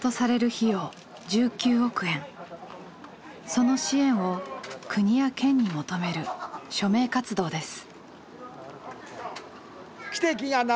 その支援を国や県に求める署名活動です。